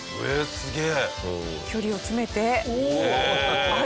すげえ！